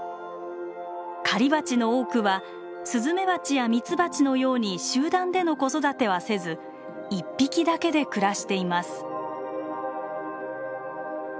狩りバチの多くはスズメバチやミツバチのように集団での子育てはせず一匹だけで暮らしています。